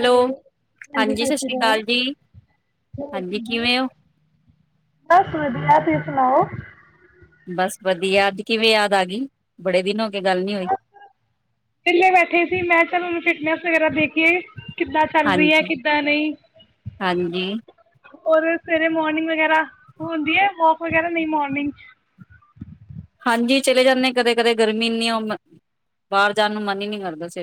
Hello ਹਾਂਜੀ ਸਤਿ ਸ੍ਰੀ ਅਕਾਲ, ਹੋਰ ਹਾਂਜੀ ਸੁਣਾਓ, ਕਿਵੇਂ ਹੋ ਬਸ ਵਧੀਆ। ਹੈਲੋ ਬਸ ਵਧੀਆ ਅੱਜ ਕਿਵੇਂ ਯਾਦ ਆ ਗਈ, ਬੜੇ ਦਿਨ ਹੋ ਗਏ। ਵਿਹਲੇ ਬੈਠੇ ਸੀ, ਮੈਂ ਚਲਨੂੰ ਫਿਟਨੈਸ ਵਗੈਰਾ ਦੇਖ ਕਿ ਕਿੱਦਾਂ ਚਲ ਰੀ ਹੈ ਹਾਂਜੀ ਕਿੱਦਾਂ ਨਹੀਂ ਹਾਂਜੀ ਔਰ ਸਵੇਰੇ ਮੋਰਨਿੰਗ ਵਗੈਰਾ ਹੁੰਦੀ ਹੈ ਮੌ ਹੋਰ ਕਹਿੰਦੇ ਨਹੀਂ ਮੋਰਨਿੰਗ ਹਾਂਜੀ ਚਲੇ ਜਾਂਦੇ ਕਦੇ- ਕਦੇ ਗਰਮੀ ਇੰਨੀ ਬਾਹਰ ਜਾਣ ਨੂੰ ਮਨ ਹੀ ਨਹੀਂ ਕਰਦਾ ਸੀ।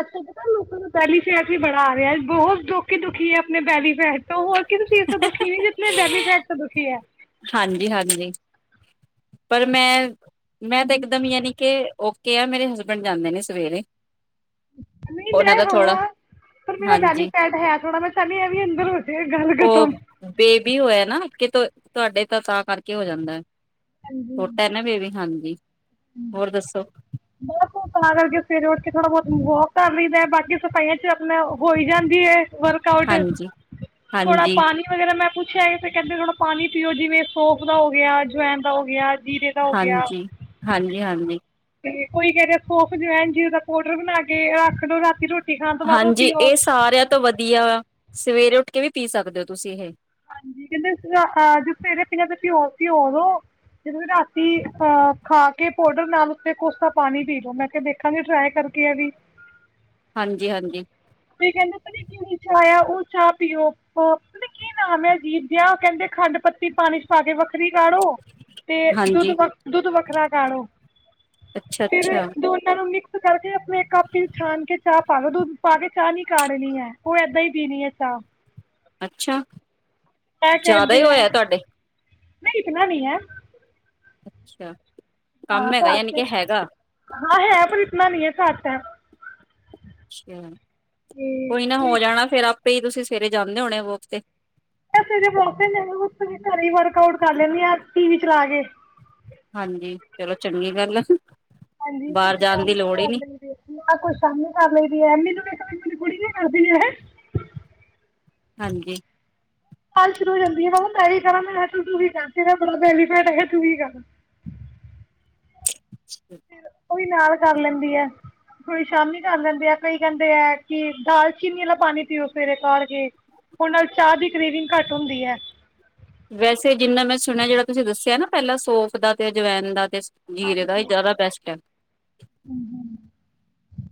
ਅੱਛਾ- ਅੱਛਾ, ਤੁਹਾਨੂੰ ਪਤਾ ਲੋਕਾਂ ਨੂੰ ਬੈਲੀ ਫੈਟ ਵੀ ਬੜਾ ਆ ਰਿਹਾ‌ ਏ। ਬਹੁਤ ਦੁਖ ਹੀ ਦੁਖੀ ਹੈ, ਆਪਣੇ ਬੈਲੀ ਫੈਟ ਤੇ ਹੋਰ ਕਿਸੇ ਚੀਜ਼ ਤੋਂ ਦੁਖੀ ਨੀ ਜਿਤਨੇ ਬੈਲੀ ਫੈਟ ਤੋ ਦੁਖੀ ਹੈ। ਹਾਂਜੀ-ਹਾਂਜੀ ਪਰ ਮੈਂ ਮੈਂ ਤਾਂ ਇੱਕਦਮ ਯਾਨੀ ਕੇ ਓਕੇ ਆ ਮੇਰੇ ਹਸਬੈਂਡ ਜਾਂਦੇ ਨੇ ਸਵੇਰੇ। ਨਹੀਂ ਮੈਂ ਉਹਨਾਂ ਦਾ ਥੋੜਾ ਹਾਂ, ਪਰ ਮੇਰਾ ਬੈਲੀ ਹਾਂਜੀ ਫੈਟ ਹੈ ਥੋੜਾ ਮੈਂ ਚਾਂਹਦੀ ਆ ਐ ਵੀ ਅੰਦਰ ਹੋ ਜੇ ਗੱਲ ਖਤਮ। ਕੀ ਹੋਇਆ ਨਾ ਕਿ ਤ ਤੁਹਾਡੇ ਤਾਂ ਤਾਂ ਕਰਕੇ ਹੋ ਜਾਂਦਾ ਹੈ। ਛੋਟਾ ਐ ਨਾ ਬੇਬੀ, ਹਾਂਜੀ। ਜੀ ਹਾਂ, ਬਸ ਤਾਂ ਕਰਕੇ ਫਿਰ ਉੱਠ ਕੇ ਥੋੜਾ ਬਹੁਤ ਵੋਕ ਕਰ ਲਈਦਾ, ਬਾਕੀ ਸਫਾਈਆਂ ਚ ਆਪਣਾ ਹੋਈ ਜਾਂਦੀ ਹੈ। ਵਰਕ ਆਊਟ ਹਾਂਜੀ ਥੋੜਾ ਹਾਂਜੀ ਪਾਣੀ ਵਗੈਰਾ ਮੈਂ ਪੁ ਪੁਛਿਆ ਏ ਤੇ ਕਹਿੰਦੇ ਥੋੜਾ ਪਾਣੀ ਪੀਓ ਜਿਵੇਂ ਸੋਫ ਦਾ ਹੋ ਗਿਆ, ਜਵੈਣ ਦਾ ਹੋ ਗਿਆ। ਜੀਰੇ ਦਾ ਹੋ ਗਿਆ। ਹਾਂਜੀ-ਹਾਂਜੀ। ਤੇ ਕੋਈ ਕਹਿ ਰਿਹਾ ਸੋਫ, ਜਵੈਨ ਜੀਰੇ ਦਾ ਪਾਊਡਰ ਬਣਾ ਕੇ ਰਖ ਲਓ ਰਾਤੀ ਰੋਟੀ ਖਾਣ ਤੋਂ ਬਾਅਦ ਉਹ ਹਾਂਜੀ ਪੀਓ ਇਹ ਸਾਰਿਆਂ ਤੋਂ ਵਧੀਆ ਵਾ। ਸਵੇਰੇ ਉੱਠ ਕੇ ਵੀ ਪੀ ਸਕਦੇ ਹੋ ਤੁਸੀਂ ਇਹ। ਹਾਂਜੀ ਕਹਿੰਦੇ ਜੇ ਸਵੇਰੇ ਪੀਣਾ ਫੇਰ ਪੀਓ ਪੀਓ ਓਦੋਂ ਜਦੋਂ ਤੁਸੀਂ ਰਾਤੀ ਖਾ ਕੇ ਪੋਡਰ ਨਾਲ ਉਤੋਂ ਕੋਸਾ ਪਾਣੀ ਪੀ ਲੋੋ ਮੈਂ ਕਿਹਾ ਦੇਖਾਂਗੀ ਟ੍ਰਾਈ ਕਰਕੇ ਐ ਵੀ। ਹਾਂਜੀ-ਹਾਂਜੀ। ਕਈ ਕਹਿੰਦੇ [unintelligible] ਚਾਹ ਆ ਉਹ ਚਾਹ ਪੀਓ ਪਤਾ ਨੀ ਕੀ ਨਾਮ ਐ ਅਜੀਬ ਜਿਹਾ ਕਹਿੰਦੇ ਖੰਡ-ਪੱਤੀ ਪਾਣੀ ਚ ਪਾ ਕੇ ਵੱਖਰੀ ਕਾੜੋ, ਤੇ ਦੁੱਧ ਹਾਂਜੀ ਵਖ ਦੁੱਧ ਵੱਖਰਾ ਕਾੜੋ। ਅੱਛਾ, ਫਿਰ ਅੱਛਾ। ਦੋਨਾਂ ਨੂੰ ਮਿਕ ਕਰਕੇ ਆਪਣੇ ਕੱਪ 'ਚ ਛਾਣ ਕੇ ਚਾਹ ਪਾ ਲੋ ਦੁੱਧ ਪਾ ਕੇ ਚਾਹ ਨੀ ਕਾੜਣੀ ਹੈ ਉਹ ਏਦਾਂ ਹੀ ਪੀਣੀ ਹੈ ਚਾਹ। ਅੱਛਾ। ਇਹ ਜ਼ਿਆਦਾ ਈ ਕਹਿੰਦੇ ਹੈ ਹੋਇਆ ਤੁਹਾਡੇ। ਨਹੀਂ ਇਤਨਾ ਨਹੀਂ ਏ। ਅੱਛਾ। ਕੰਮ ਹਾਂ ਹੈਗਾ ਯਾਨੀ ਘੱਟ ਹੈ, ਕਿ ਹੈਗਾ ਹਾਂ ਹੈ ਪਰ ਇਤਨਾ ਨਹੀਂ ਹੈ ਘੱਟ [inaudible] [unintelligible] ਕੋਈ ਨਾ ਹੋ ਜਾਣਾ ਫੇਰ ਆਪੇ ਹੀ ਤੁਸੀ ਸਵੇਰੇ ਜਾਂਦੇ ਹੋਣੇ ਵੋਕ ਤੇ ਹਜੇ ਵੋਕ ਤੇ ਨੀ ਜਾਂਦੀ ਘਰੇ ਈ ਵਰਕ ਆਊਟ ਕਰ ਲੈਨੀ ਆ ਟੀ ਵੀ ਚਲਾ ਕੇ। ਹਾਂਜੀ ਚਲੋ ਚੰਗੀ ਗੱਲ ਆ। ਹਾਂਜੀ ਕੁੱਝ ਬਾਹਰ ਜਾਣ ਦੀ ਸ਼ਾਮੀ ਲੋੜ ਹੀ ਕਰ ਨੀ ਲਈਦੇ ਆਹ ਕੁੱਛ ਸ਼ਾਮੀ ਕਰ ਲਈ ਦੀ ਹੈ। [unintelligible] ਤੁਹਾਡੀ ਕੁੜੀ ਕੀ ਕਰਦੀ ਵੈਸੇ? ਹਾਂਜੀ ਗੱਲ ਸ਼ੁਰੂ ਹੋ ਜਾਂਦੀ ਆ, ਮੈਂ ਕਿਹਾ ਮੈਂ ਕੀ ਕਰਾਂ ਤੂੰ ਵੀ ਕਰ ਤੇਰਾ ਬੜਾ ਬੇਨੀਫਿਟ ਹੈਗਾ ਤੂੰ ਵੀ ਕਰ। ਫਿਰ [unintelligible] ਉਹ ਵੀ ਨਾਲ ਕਰ ਲੈਂਦੀ ਹੈ ਏ। ਥੋੜੀ ਸ਼ਾਮੀ ਕਰ ਲੈਂਦੇ ਆ ਕਈ ਕਹਿੰਦੇ ਐ ਕਿ ਦਾਲਚੀਨੀ ਵਾਲਾ ਪਾਣੀ ਪੀਓ ਸਵੇਰੇ ਕਾੜ ਕੇ, ਉਹਦੇ ਨਾਲ ਚਾਹ ਦੀ ਕਰੀਵਿੰਗ ਘੱਟ ਹੁੰਦੀ ਹੈ। ਵੈਸੇ ਜਿੰਨਾ ਮੈਂ ਸੁਣਿਆ ਜਿਹੜਾ ਤੁਸੀਂ ਦੱਸਿਆ ਨਾ ਪਹਿਲਾਂ ਸੋਫ ਦਾ ਤੇ ਅਜਵੈਨ ਦਾ ਤੇ ਜੀਰੇ ਦਾ ਇਹ ਜ਼ਿਆਦਾ ਬੈਸਟ ਹੈ।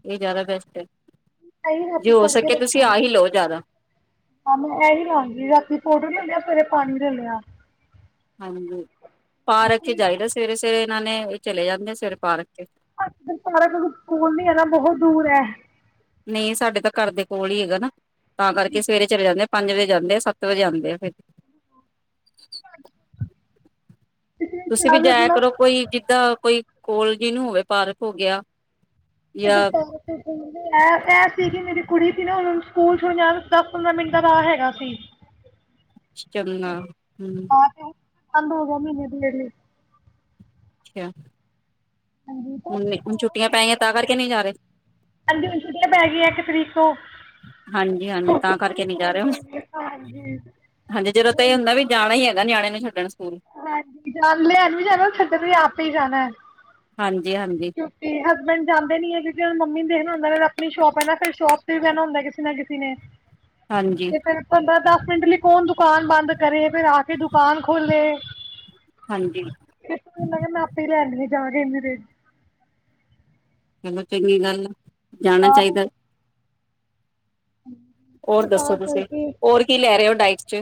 ਇਹ ਜ਼ਿਆਦਾ ਬੈਸਟ ਤੇ ਇਹੀ ਰਾਤੀ ਕਰਕੇ ਜ਼ਿਆਦਾ ਰੱਖਾਂਗੀ। ਮੈਂ ਇਹੀ ਲਵਾਂਗੀ ਰਾਤੀ ਪੋਡਰ ਲੈਨੀ ਆ ਸਵੇਰੇ ਪਾਣੀ ਲੇ ਲਿਆ। ਹਾਂਜੀ-ਪਾਰਕ ਵਿੱਚ ਇਹ ਜਾਈਦਾ ਸਵੇਰੇ-ਸਵੇਰੇ। ਸਵੇਰੇ ਇਹਨਾਂ ਨੇ ਚਲੇ ਜਾਂਦੇ ਸਵੇਰੇ ਪਾਰਕ ਵਿਚ। ਅੱ ਸਾਰਾ ਕੋਲ ਸਕਲ ਨੇੜੇ ਨੀ ਹੈ। ਬਹੁਤ ਦੂਰ ਹੈ ਨਹੀਂ ਸਾਡੇ ਤਾਂ ਘਰ ਦੇ ਕੋਲ ਹੀ ਹੈਗਾ ਨਾ ਤਾਂ ਕਰਕੇ ਸਵੇਰੇ ਚਲੇ ਜਾਂਦੇ ਆ ਪੰਜ ਵਜੇ ਜਾਂਦੇ ਆ ਸੱਤ ਵਜੇ ਆਉਦੇ ਆ ਫਿਰ ਇਸ ਲਈ ਤੁਸੀਂ ਵੀ ਚਾਹ ਜਾਇਆ ਨਾ ਕਰੋ ਕੋਈ ਜਿੱਦਾਂ ਕੋਈ ਕੋਲ ਜੀ ਨੂੰ ਹੋਵੇ ਪਾਰਕ ਹੋ ਗਿਆ। ਜਾਂ ਰ ਸੀ ਕਿ ਮੇਰੀ ਕੁੜੀ ਸੀ ਨਾ ਹੁਣ ਸਕੂਲ ਦਸ ਪੰਦਰਾਂ ਮਿੰਟ ਦਾ ਰ ਹੈਗਾ ਸੀ। ਇਸ਼ਮ ਨਾਲ ਹਮ ਅੰਬ ਦੋ ਮਹੀਨੇ ਹੀ ਹੈ ਅੱਛਾ ਹਾਂਜੀ ਤਾਂ ਹੁਣ ਛੁੱਟੀਆਂ ਪੈਣੀਆਂ ਤਾਂ ਕਰਕੇ ਨਹੀ ਜਾ ਰਹੇ। ਹਾਂਜੀ ਹ ਛੁੱਟੀਆਂ ਪੈ ਗਈ ਆ ਇੱਕ ਤਰੀਕ ਤੋਂ ਹਾਂਜੀ -ਹਾਂਜੀ ਤਾਂ ਸਕੂਲ ਵੀ ਕਰਕੇ ਨੀ ਜਾ ਬੰਦ ਰਹੇ ਹੋ ਗਏ ਹਾਂਜੀ ਹਾਂਜੀ ਜਦੋਂ ਤਾਂ ਇਹ ਹੁੰਦਾ ਹੈ ਜਾਣਾ ਹੀ ਹੈ। ਨਿਆਣਿਆਂ ਨੂੰ ਛੱਡਣ ਸਕੂਲ ਹਾਂਜੀ ਜਾਣ ਲਿਆਣ ਵੀ ਜਾਣਾ ਛੱਡਣ ਤੇ ਆਪੇ ਜਾਣਾ। ਹਾਂਜੀ ਹਾਂਜੀ ਕਿਉਂਕਿ ਹਸਬੈਂਡ ਜਾਂਦੇ ਨੀ ਹੈ ਕਿਉਂਕਿ ਮੰਮੀ ਦੇਖਣ ਹੁੰਦਾ ਆਪਣੀ ਸ਼ੋਪ ਹੈ ਫਿਰ ਸ਼ੋਪ ਕਹਿਣਾ ਹੁੰਦਾ ਕਿਸੇ ਨਾ ਕਿਸੇ ਨੇ ਹਾਂਜੀ ਤੇ ਫੇਰ ਪੰਦਰ ਪਿੰਟ ਲਈ ਕੌਣ ਦੁਕਾਨ ਬੰਦ ਕਰੇ ਫਿਰ ਆ ਕੇ ਦੁਕਾਨ ਖੋਲ੍ਹੇ ਹਾਂਜੀ ਕਿਹਾ ਮੈਂ ਆਪੇ ਲੈਣ ਜਾਾਰੇ ਮਰੇ ਮੇ ਨਨ ਜਾਣਾ ਆਪ ਚਾਹੀਦਾ ਹੋਰ ਦੱਸੋ ਤੁਸੀਂ ਕਰਕੇ ਹੋਰ ਕੀ ਲੈ ਰਹੇ ਹੋ ਡਾਇਟ ਚ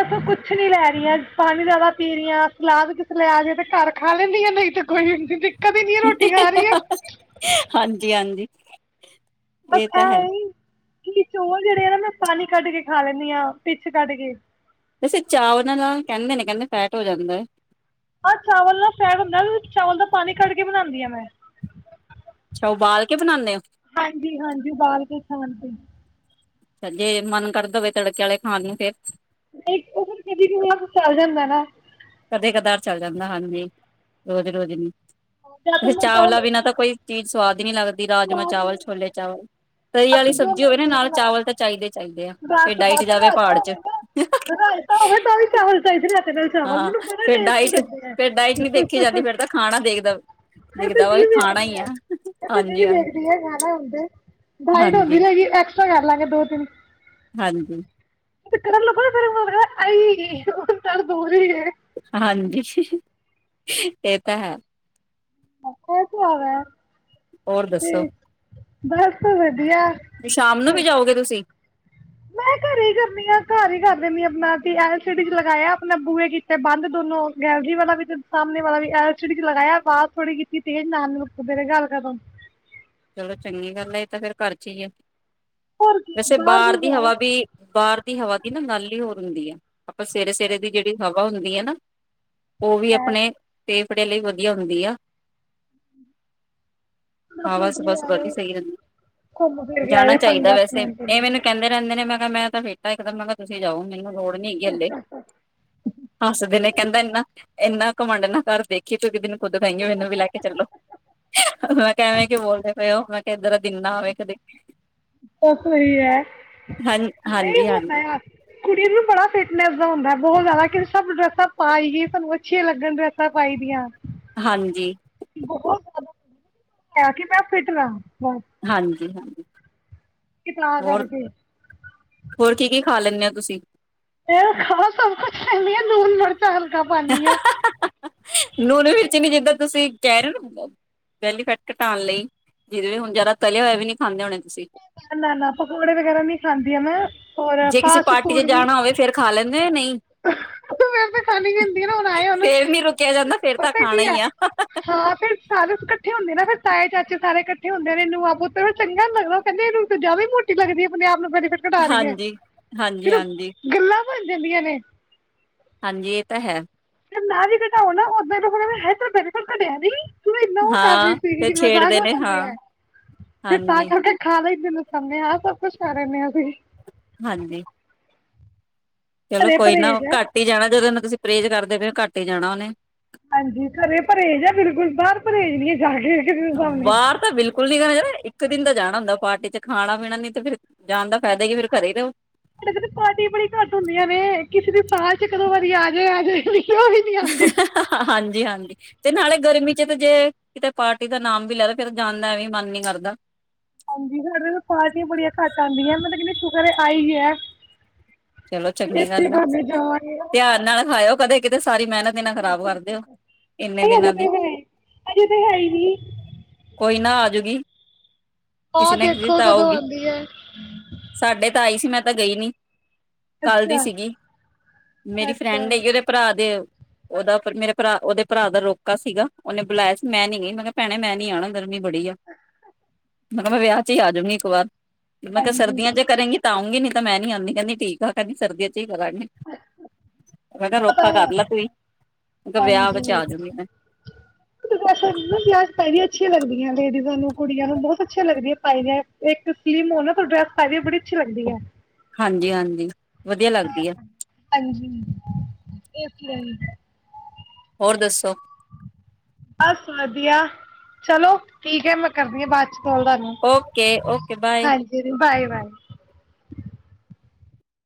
ਉਥੋਂ ਕੁਛ ਨੀ ਲੈ ਰਹੀਆਂ ਪਾਣੀ ਜਿਆਦਾ ਪੀ ਰਹੀ ਹ ਸਲਾਦ ਕਿਸੇ ਲ ਆ ਜਏ ਤੇ ਘਰ ਖਾ ਲੈਂਦੀ ਆ ਨਹੀਂ ਤੇ ਕੋਈ ਹ ਹਾਂਜੀ ਹਾਂਜੀ ਹ ਐ ਕਿ ਚੋਲ ਜਿਹੜੇ ਆ ਨਾ ਮੈਂ ਪਾਣੀ ਕੱਢ ਕੇ ਖਾ ਲੈਂਦੀ ਹਾਂ ਪਿੱਛ ਕੱਢ ਕੇ ਵੈਸੇ ਚਾਅ ਉਹਨਾਂ ਨਾਲ ਕਹਿੰਦੇ ਨੇ ਕਹਿੰਦੇ ਫੈਟ ਹੋ ਜਾਂਦਾ ਹੈ ਆਹ ਚਾਵਲ ਦਾ ਫੈਡ ਹੁੰਦਾ ਚਾਵਲ ਦਾ ਪਾਣੀ ਕੱਟ ਕੇ ਬਣਾਉਂਦੀ ਹ ਮੈਂ ਅੱਛਾ ਉਹਬਾਲ ਕੇ ਬਣਾਉਂਦੇ ਹੋ ਹਾਂਜੀ ਹਾਂਜੀ ਬਾਹਾਲ ਕੇ ਖਾਣ ਤੇ ਜੇ ਮਨ ਕਰਦਾ ਹੋਵੇ ਤੜਕੇ ਵਾਲੇ ਖਾਣ ਨੂੰ ਫੇਰ ਉਹ ਫਿਰ ਕਦੀ ਕੁ ਚੱਲ ਜਾਂਦਾ ਨਾ। ਕਦੇ ਕਧਾਰ ਚੱਲ ਜਾਂਦਾ ਹਾਜੀ ਰੋਜ਼ ਰੋਜ਼ ਨੀ। ਜਾਂ ਤਾਂ ਮੈਂ ਚਾਵਲ ਚਾਵਲਾ ਬਿਨਾਂ ਤਾਂ ਕੋਈ ਕੀ ਸਵਾਦ ਨੀ ਲੱਗਦੀ ਰਾਜਮਾਂ ਸਵਾਦ ਹੀ ਚਾਵਲ ਨਹੀਂ ਛੋਲੇ ਚਾਵਲ ਤਰੀ ਵਾਲੀ ਲੱਗਦੇ ਜੋ ਸਬਜ਼ੀ ਹੋਵੇ ਨਾ ਮਰਜ਼ੀ ਨਾਲ ਬਣਾ ਚਾਵਲ ਤਾਂ ਚਾਹੀਦੇ ਚਾਹੀਦੇ ਆ ਬਸ ਫਿਰ ਡਾਇਟ ਬਸ ਜਾਵੇ ਰਾਇਤਾ ਪਹਾੜ ਚ। ਹੋਵੇ ਨਾ ਰਾਇਤਾ ਹੋਵੇ ਤਾਂ ਵੀ ਚਾਵਲ ਚਾਹੀਦੇ ਰਾਇਤੇ ਨਾਲ ਚਾਵਲ ਹਾਂ ਮੈਨੂੰ ਬੜੇ ਫਿਰ ਟੇਸਟੀ ਡਾਈਟ, ਲੱਗਦੇ ਆ ਫਿਰ ਡਾਈਟ ਨੀ ਦੇਖੀ ਜਾਂਦੀ ਫੇਰ ਤਾਂ ਖਾਣਾ ਦੇਖਦਾ ਦਿਖਦਾ ਵਾ ਖਾਣਾ ਹੀ ਆ। ਏਹੀ ਹਾਂਜੀ-ਹਾਂਜੀ, ਦੇਖਦੇ ਆ ਖਾਣਾ ਹੁੰਦਾ ਏ। ਡਾਈਟ ਹੁੰਦੀ ਨੀ ਹੈਗੀ ਐਕਸਟਰਾ ਫੇਰ ਕਰ ਲਾਗੇ ਦੋ ਤਿੰਨ ਹਾਂਜੀ ਫੇਰ ਕਰਨ ਲਗੋ ਫਿਰ ਮਨ ਕਰਦਾ ਆਈ ਏ ਦਰਦ ਹੋ ਰੀ ਏ। ਹਾਂਜੀ ਇਹ ਤਾਂ ਹੈ। [inaudible] ਹੋਰ ਦੱਸੋ ਤੇ ਬਸ ਵਧੀਆ। ਤੇ ਸ਼ਾਮ ਨੂੰ ਵੀ ਜਾਓਗੇ ਤੁਸੀਂ ਮੈਂ ਘਰ ਹੀ ਕਰਨੀ ਆ ਘਰ ਹੀ ਕਰ ਦਿੰਦੀ ਆਪਣਾ ਐਲ ਸੀ ਡੀ ਚ ਲਗਾਇਆ ਆਪਣੇ ਬੂਹੇ ਕੀਤੇ ਬੰਦ ਦੋਨੋ ਗੈਲਰੀ ਵਾਲਾ ਵੀ ਤੇ ਸਾਹਮਣੇ ਵਾਲਾ ਵੀ ਐਲ ਸੀ ਡੀ ਚ ਲਗਾਇਆ ਵਾਜ ਥੋੜੀ ਕੀਤੀ ਤੇਜ਼ ਨਾਲ ਨੇ ਗੱਲ ਕਰਨ ਚਲੋ ਚੰਗੀ ਗੱਲ ਤਾਂ ਫੇਰ ਘਰ ਚ ਹੀ ਆ। ਹੋਰ ਕੀ ਵੈਸੇ ਵੀ ਬਾਹਰ ਦੀ ਜਾਓ ਹਵਾ ਵੀ ਬਾਹਰ ਦੀ ਹਵਾ ਦੀ ਨਾ ਗਲ ਹੀ ਹੋਰ ਹੁੰਦੀ ਆ ਆਪਾਂ ਸਵੇਰੇ ਸਵੇਰੇ ਦੀ ਜਿਹੜੀ ਹਵਾ ਹੁੰਦੀ ਆ ਨਾ ਉਹ ਵੀ ਆਪਣੇ ਫੇਫੜੇ ਲਈ ਵਧੀਆ ਹੁੰਦੀ ਆ। ਦਸ ਹਾਂ ਮਿੰਟ ਬਸ ਲਈ ਬਸ ਵਧੀਆ ਐਵੇਂ ਸਹੀ ਰਹਿੰਦੀ ਘੁੰਮ ਫਿਰ ਕੇ ਜਾਣਾ ਆਏ ਪੰਜ ਚਾਹੀਦਾ ਦਸ ਵੈਸੇ ਮਿੰਟ ਲਈ ਇਹ ਮੈਨੂੰ ਕਹਿੰਦੇ ਰਹਿੰਦੇ ਨੇ ਮੈਂ ਕਿਹਾ ਮੈਂ ਫੇਟਾ ਇੱਕਦਮ ਮੈਂ ਕਿਹਾ ਤੁਸੀਂ ਜਾਓ ਮੈਨੂੰ ਲੋੜ ਨੀ ਹੈਗ ਹੱਲੇ ਹੱਸਦੇ ਨੇ ਕਹਿੰਦਾ ਇਨਾ ਇੰਨਾ ਘਮੰਡ ਨਾ ਘਰ ਦੇਖੀ ਤੂੰ ਇੱਕ ਦਿਨ ਖੁਦ ਕਹੇਗੀ ਮੈਨੂੰ ਵੀ ਲੈ ਕੇ ਚਲੋ ਮੈਂ ਕਹਿ ਐਵੇ ਬੋਲਦੇ ਪਏ ਉਹ ਮੈਂ ਕਿਹਾ ਇਦਾ ਦਿਨ ਨਾ ਆਵੇ ਕਦੇ। ਬਸ ਇਹੀ ਹੈ ਹਾਂ ਨਹੀਂ ਹਾਂਜੀ ਹੁੰਦਾ ਹਾਂਜੀ ਯਾਰ ਕੁੜੀ ਨੂੰ ਬੜਾ ਫਿਟ ਮਜ਼ਾ ਹੁੰਦਾ ਬਹੁਤ ਜ਼ਿਆਦਾ ਕਿ ਸਭ ਡਰੈਸਾਂ ਪਾਈ ਹੀ ਸਾਨੂੰ ਅੱਛੀਆਂ ਲੱਗਣ ਡਰੈਸਾਂ ਪਾਈ ਦੀਆਂ। ਹਾਂਜੀ ਬਹੁਤ ਕਿਹਾ ਕਿ ਮੈਂ ਫਿਟ ਰਵਾ ਹਾਂਜੀ [unintelligible] ਤਾਂ ਹੋਰ ਕਰਕੇ ਹੋਰ ਕੀ ਕੀ ਖਾ ਲੈਂਦੇ ਹੋ ਤੁਸੀਂ। ਫਿਰ ਖਾ ਸਭ ਕੁਛ ਲੈਂਦੀ ਆ [inaudible] [unintelligible] ਨੂਨ ਵਿੱਚ ਨੀ ਜਿੱਦਾਂ ਤੁਸੀਂ ਕਹਿ ਰਹੇ ਹੋ ਪਹਿਲੀ ਫੈਟ ਘਟਾਉਣ ਲਈ ਜਿਹਦੇ ਹੁਣ ਜਿਆਦਾ ਤਲਿਆ ਹੋਇਆ ਵੀ ਨੀ ਖਾਂਦੇ ਹੋਣੇ। ਤੁਸੀਂ [inaudible] ਨਾ ਨਾ ਨਾ ਪਕੌੜੇ ਵਗੈਰਾ ਨੀ ਖਾਂਦੀ ਆ ਮੈਂ ਔਰ ਜੇ ਕਿਸੇ ਫਾਸਟ ਪਾਰਟੀ ਫੂਡ ਚ ਵੀ। [inaudible] ਖਾ ਲੈ ਨਹੀਂ ਨਹੀਂ। ਮੇਰੇ ਤੇ [inaudible] ਹੁਣ ਆਏ ਹੋਣ ਫੇਰ ਨੀ ਰੁਕਿਆ ਜਾਂਦਾ ਫੇਰ ਤਾਂ ਪਤਾ ਕੀ ਖਾਣਾ ਹੈ ਹੀ ਆ ਹਾਂ ਫਿਰ ਸਾਰੇ ਇਕੱਠੇ ਹੁੰਦੇ। ਫਿਰ ਤਾਏ ਚਾਚੇ ਸਾਰੇ ਇਕੱਠੇ ਹੁੰਦੇ ਨੇ ਨੂੰਹਾਂ ਪੁੱਤ ਚੰਗਾ ਲਗਦਾ ਕਹਿੰਦੇ ਪਹਲੇ ਨਾਲੋ ਜਦੇ ਹੀ [inaudible] ਮੋਟੀ ਲਗਦੀ ਆਪਣੇ ਆਪ [inaudible] ਵਜਨ ਕਟਾ ਰਹੀ ਏ ਹਾਂਜੀ ਹਾਂਜੀ ਫਿਰ ਓਹ ਹਾਂਜੀ ਗੱਲ। ਬਣ ਜਾਂਦੀਆਂ ਨੇ। ਹਾਂਜੀ ਇਹ ਤਾਂ ਹੈ। ਨਾ ਵੀ ਘਟਾਓ ਨਾ ਉਹ [inaudible] ਹਲੇ ਤੱਕ ਤੇਰਾ ਵਜਨ ਘਟਿਆ ਨੀ। ਉਹ ਨਾ ਐਨਾ ਓਹ ਕਰ ਰਹੀ ਹਾਂ ਸੀ ਤੇ ਕਿ ਮਜ਼ਾਕ ਛੇੜਦੇ ਨੇ ਹਾਂ ਬਣਾਂਦੇ ਆ ਫਿਰ ਹਾਂਜੀ ਤਾਂ ਕੇ ਖਾ ਲਈ ਦਾ। [inaudible] ਸਭ ਕੁਛ ਖਾ ਲੈਂਦੇ ਆ ਅਸੀਂ। ਹਾਂਜੀ। ਚਲੋ ਘਰੇ ਕੋਈ ਨਾ ਪਰਹੇਜ ਹੈ ਘੱਟ ਹੀ ਜਾਣਾ ਜਦੋਂ ਨੂੰ ਤੁਸੀਂ। ਪਰੇਜ ਕਰਦੇ ਫਿਰ ਘੱਟ ਹੀ ਜਾਣਾ ਉਹਨੇ। ਹਾਂਜੀ, ਘਰੇ ਪਰੇਜ ਆ ਬਿਲਕੁਲ ਬਾਹਰ ਪਰੇਜ ਨਹੀਂ ਹੈ। ਜਾ ਕੇ ਕਿਸੇ ਦੇ ਸਾਹਮਣੇ ਬਾਹਰ ਤਾਂ ਬਿਲਕੁਲ ਨੀ ਕਰੇਗਾ। ਇੱਕ ਦਿਨ ਦਾ ਜਾਣਾ ਹੁੰਦਾ ਪਾਰਟੀ ਚ ਖਾਣਾ ਪੀਣਾ ਨਹੀਂ ਤੇ ਫਿਰ। ਜਾਣ ਦਾ ਫਾਇਦਾ ਕੀ ਫਿਰ ਘਰੇ ਹੀ ਰਹੋ ਸਾਡੇ ਘਰੇ ਪਾਰਟੀ ਬੜੀ ਘੱਟ ਹੁੰਦੀਆਂ ਨੇ। [inaudible] ਕਿਸੇ ਦੇ ਸਾਲ ਚ ਕਦੋਂ ਵਾਰੀ ਆਜੇ ਆਜੇ ਨਹੀਂ। ਆਉਂਦੀ ਹਾਂਜੀ ਹਾਂਜੀ। ਤੇ ਨਾਲੇ ਗਰਮੀ ਚ ਤੇ ਜੇ ਕਿਤੇ ਪਾਰਟੀ ਦਾ ਨਾਮ ਵੀ ਲੈਦਾ ਫਿਰ ਜਾਣ ਦਾ ਐਵੇਂ ਮਨ ਨੀ ਕਰਦਾ। [inaudible] ਹਾਂਜੀ ਸਾਡੇ ਪਾਰਟੀਆਂ ਬੜੀਆਂ ਘੱਟ ਆਉਂਦੀਆਂ ਮਤਲਬ ਕਿਹ ਸ਼ੁਕਰ ਆਈ ਹੈ। ਚਲੋ ਚੰਗੀ ਇਸੇ ਗੱਲ ਆ ਬੰਨੇ ਧਿਆਨ ਨਾਲ ਖਾਇਓ ਕਦੇ। ਕਿਤੇ ਸਾਰੀ ਮਿਹਨਤ ਹੀ ਨਾ [inaudible] ਖ਼ਰਾਬ ਕਰਦੇ ਹੋ ਇੰਨੇ ਹਜੇ ਦਿਨਾਂ ਦੀ ਤੇ ਹੈ ਅਜੇ ਤਾਂ ਹੈ ਹੀ ਨਹੀਂ। ਕੋਈ ਨਾ ਆਜੂਗੀ। ਆਹ ਕਿਸੇ ਨਾ ਕਿਸੇ ਦੇਖੋ ਤਾਂ ਕਦੋਂ ਆਊਗੀ ਆਂਦੀ ਐ। ਸਾਡੇ ਤਾਂ ਆਈ ਸੀ ਮੈਂ ਗਈ ਨੀ। ਕੱਲ ਦੀ ਸੀਗੀ ਮੇਰੀ ਅੱਛਾ ਫਰੈਂਡ ਹੈਗੀ ਉਹਦੇ ਭਰਾ ਦੇ। ਉਹਦਾ ਮੇਰੇ ਭਰਾ ਉਹਦੇ ਭਰਾ ਦਾ ਰੋਕਾ ਸੀਗਾ ਉਹਨੇ ਬੁਲਾਇਆ ਸੀ ਮੈਂ ਨੀ ਗਈ ਮੈਂ ਕਿਹਾ ਭੈਣੇ ਮੈਂ ਨੀ ਆਣਾ ਗਰਮੀ ਬੜੀ ਆ ਮੈਂ ਕਿਹਾ ਮੈਂ ਵਿਆਹ ਚ ਹੀ ਆਜੂਗੀ ਇੱਕ ਵਾਰ। ਮੈਂ ਕਿਹਾ ਸਰਦੀਆਂ ਹਾਂਜੀ ਚੇ ਕਰੇਗੀ ਤਾਂ ਆਊਂਗੀ ਨਹੀਂ। ਮੈਂ ਨਹੀਂ ਆਂਦੀ ਕਹਿੰਦੀ। ਠੀਕ ਆ ਕਦੀ ਸਰਦੀਆਂ ਚ ਹੀ ਕਰਾਂਗੇ। ਮੈਂ ਕਿਹਾ ਪਤਾ ਰੋਕਾ ਏ, ਕਰ ਲੈ ਤੂੰ ਹੀ ਮੈਂ ਕਿਹਾ ਵਿਆਹ ਵਿੱਚ ਹਾਂਜੀ ਆ ਜਾਊਂਗੀ ਮੈਂ ਵੈਸੇ ਵੀ ਵਿਆਹ ਵਿੱਚ ਪੇ ਅੱਛੀਆਂ ਲੱਗਦੀਆਂ ਲੇਡੀਜਾ਼ਂ ਨੂੰ। ਕੁੜੀਆਂ ਨੂੰ ਬਹੁਤ ਅੱਛੀਆਂ ਲੱਗਦੀ ਐ ਪਾਈ ਇੱਕ ਸਲੀਮ ਹੋ ਨਾ ਤ ਡਰੈਸ ਪਾਈ ਦੀ ਏ ਬੜੀ ਅੱਛੀ ਲੱਗਦੀ ਐ। ਹਾਂਜੀ-ਹਾਂਜੀ। ਵਧੀਆ ਲੱਗਦੀ ਆ। ਏ ਤੇ ਹੈ ਈ। ਹੋਰ ਦੱਸੋ। ਬਸ ਵਧੀਆ, ਚਲੋ ਠੀਕ ਐ ਮੈਂ ਕਰਦੀ ਆਂ ਬਾਅਦ ਚ ਸੁਣਦਾਂ ਨਹੀਂ, ਓਕੇ-ਓਕੇ ਬਾਏ। ਹਾਂਜੀ ਬਾਏ ਬਾਏ। [unintelligible]